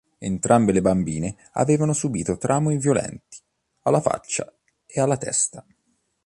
Entrambe le bambine avevano subito traumi violenti alla faccia e alla testa.